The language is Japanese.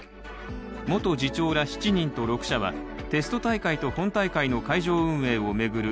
元次長ら７人と６社はテスト大会と本大会の会場運営を巡る